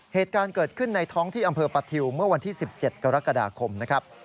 เหตุการณ์เกิดขึ้นในท้องที่อำเภอปะทิวเมื่อวันที่๑๗กรกฎาคมนะครับ